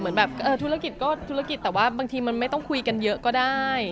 เหมือนแบบธุรกิจก็ธุรกิจแต่ว่าบางทีมันไม่ต้องคุยกันเยอะก็ได้